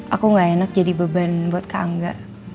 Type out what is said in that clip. aku gak enak jadi beban buat keangga